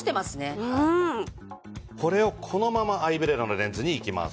これをこのままアイブレラのレンズにいきます。